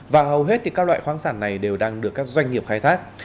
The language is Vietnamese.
và hầu hết các loại khoáng sản này đều đang được các doanh nghiệp khai thác